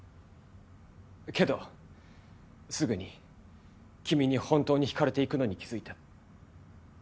けどすぐに君に本当に引かれていくのに気づいた。